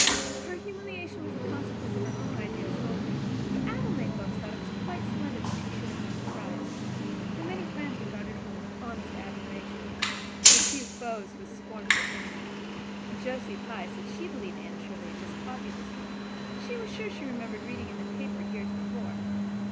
Her humiliation was the consequence of her own ideals only, for Avonlea folks thought it quite splendid that she should have won the prize. Her many friends regarded her with honest admiration; her few foes with scornful envy. Josie Pye said she believed Anne Shirley had just copied the story; she was sure she remembered reading it in a paper years before.